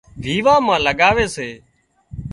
ويوان مان لڳاوي سي